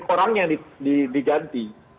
orangnya yang diganti